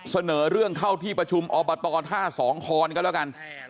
เสนอเรื่องเข้าที่ประชุมอบตท่าสองคอนก็แล้วกัน